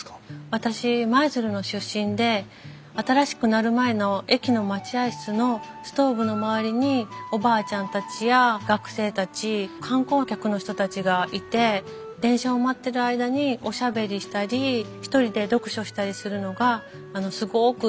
私舞鶴の出身で新しくなる前の駅の待合室のストーブの周りにおばあちゃんたちや学生たち観光客の人たちがいて電車を待ってる間におしゃべりしたり一人で読書したりするのがすごく印象に残ってたんです。